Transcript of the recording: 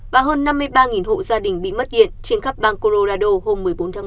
và hơn năm mươi ba hộ gia đình bị mất điện trên khắp bang colorado hôm một mươi bốn tháng ba